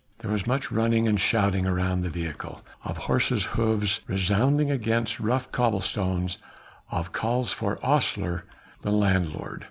There was much running and shouting round the vehicle, of horses' hoofs resounding against rough cobble stones, of calls for ostler and landlord.